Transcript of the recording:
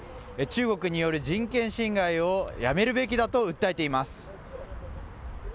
中国による人権侵害をやめるべきだと訴えています。